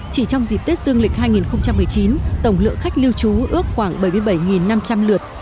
chỉ trong dịp tết dương lịch hai nghìn một mươi chín tổng lượng khách lưu trú ước khoảng bảy mươi bảy năm trăm linh lượt